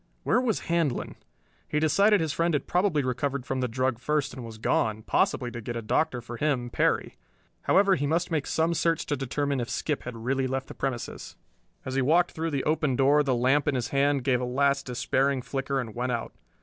Where was Handlon? He decided his friend had probably recovered from the drug first and was gone, possibly to get a doctor for him, Perry. However, he must make some search to determine if Skip had really left the premises. As he walked through the open door the lamp in his hand gave a last despairing flicker and went out.